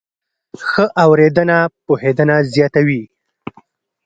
ښه اورېدنه پوهېدنه زیاتوي.